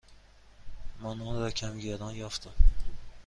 من آن را کمی گران یافتم.